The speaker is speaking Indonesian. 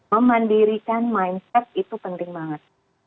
memandirikan mindset itu penting banget